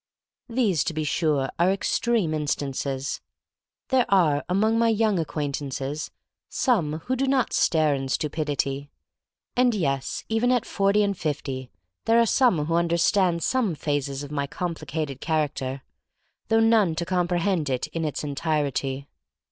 These, to be sure, are extreme in stances. There are among my young acquaintances some who do not stare in stupidity, and yes, even at forty and fifty there are some who understand some phases of my complicated charac ter, though none to comprehend it in its entirety.